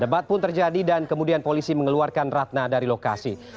debat pun terjadi dan kemudian polisi mengeluarkan ratna dari lokasi